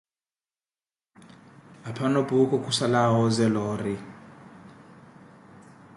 Apanho Puukhu khusala awoozela ori.